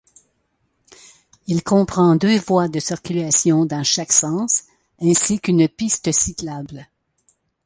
Il comprend deux voies de circulation dans chaque sens, ainsi qu'une piste cyclable.